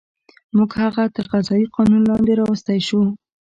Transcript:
موږ هغه تر قضایي قانون لاندې راوستی شو.